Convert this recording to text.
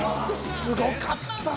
すごかったな！